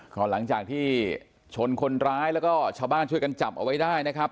ก็หลังจากที่ชนคนร้ายแล้วก็ชาวบ้านช่วยกันจับเอาไว้ได้นะครับ